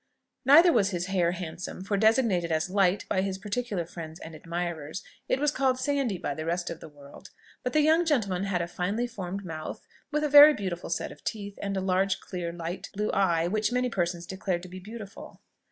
Neither was his hair handsome, for, designated as "light" by his particular friends and admirers, it was called "sandy" by the rest of the world. But the young gentleman had a finely formed mouth, with a very beautiful set of teeth, and a large clear light blue eye, which many persons declared to be beautiful.